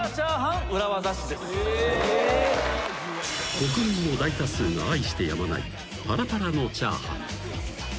［国民の大多数が愛してやまないパラパラのチャーハン］